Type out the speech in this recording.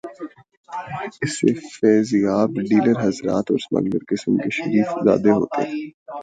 اس سے فیضیاب ڈیلر حضرات اور سمگلر قسم کے شریف زادے ہوتے ہیں۔